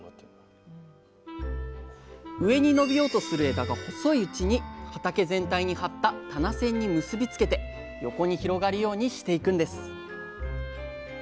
上に伸びようとする枝が細いうちに畑全体に張った棚線に結び付けて横に広がるようにしていくんです